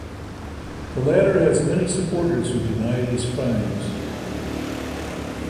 The latter has many supporters who deny these crimes.